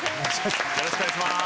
よろしくお願いします！